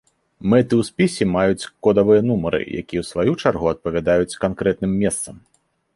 Мэты ў спісе маюць кодавыя нумары, якія ў сваю чаргу адпавядаюць канкрэтным месцам.